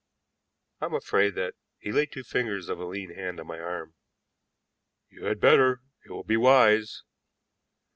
"I am afraid that " He laid two fingers of a lean hand on my arm. "You had better. It will be wise."